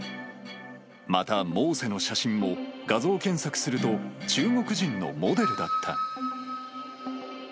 またモーセの写真も、画像検索すると中国人のモデルだった。